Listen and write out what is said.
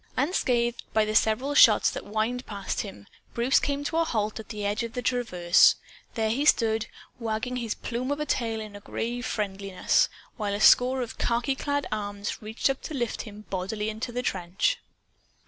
Unscathed by the several shots that whined past him, Bruce came to a halt at the edge of a traverse. There he stood, wagging his plume of a tail in grave friendliness, while a score of khaki clad arms reached up to lift him bodily into the trench.